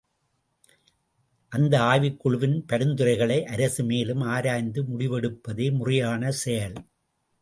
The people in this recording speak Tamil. அந்த ஆய்வுக் குழுவின் பரிந்துரைகளை அரசு மேலும் ஆராய்ந்து முடிவெடுப்பதே முறையான செயல்!